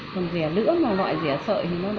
còn rẻ lưỡi mà loại rẻ sợi thì nó độ bảy mươi